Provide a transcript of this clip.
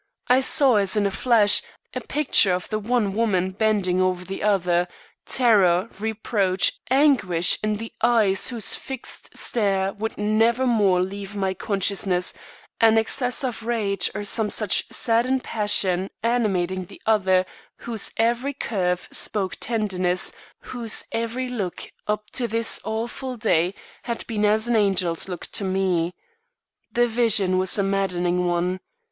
I saw as in a flash, a picture of the one woman bending over the other; terror, reproach, anguish in the eyes whose fixed stare would never more leave my consciousness, an access of rage or some such sadden passion animating the other whose every curve spoke tenderness, whose every look up to this awful day had been as an angel's look to me. The vision was a maddening one.